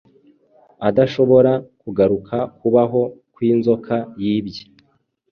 adashobora kugaruka Kubaho kwinzoka yibye